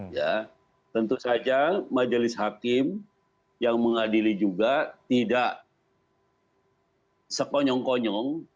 ya tentu saja majelis hakim yang mengadili juga tidak sekonyong konyong